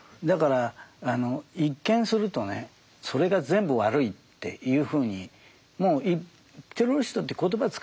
だから一見するとねそれが全部悪いっていうふうに。